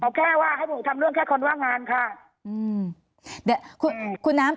เอาแค่ว่าให้ผมทำเรื่องแค่คนว่างงานค่ะอืมเดี๋ยวคุณคุณน้ำ